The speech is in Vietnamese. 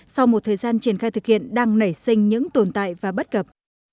sau một thời gian triển khai thực hiện đang nảy sinh những tồn tại và bắt gập